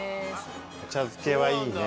お茶漬けはいいね。